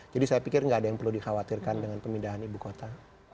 jadi saya pikir nggak ada yang perlu dikhawatirkan dengan pemindahan ibu kota